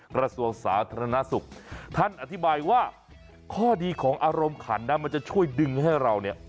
กระทรวงสาธารณสุขท่านอธิบายว่าข้อดีของอารมณ์ขันนะมันจะช่วยดึงให้เราเนี่ย